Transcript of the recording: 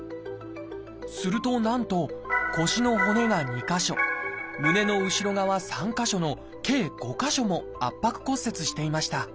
するとなんと腰の骨が２か所胸の後ろ側３か所の計５か所も圧迫骨折していました。